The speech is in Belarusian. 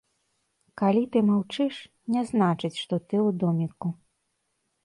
Калі ты маўчыш, не значыць, што ты ў доміку.